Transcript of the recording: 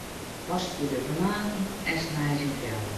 Waskje de tomaten en snij se yn fjouweren.